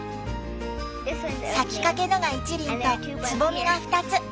咲きかけのが一輪とつぼみが２つ。